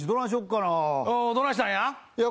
どないしたんや？